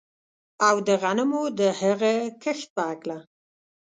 او د غنمو د هغه کښت په هکله